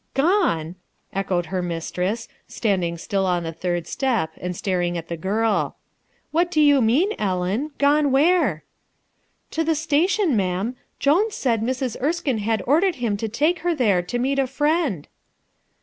"Gonel" echoed her mistress, standing still on the third step, and staring at the girl. "What do you mean, Ellen? Gone where?" "To the station, ma'am. Jonas said Mrs. Erskine had ordered him to take her there to meet a friend."